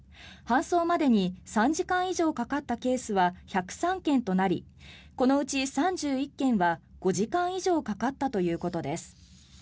搬送までに３時間以上かかったケースは１０３件となりこのうち３１件は５時間以上かかったということです。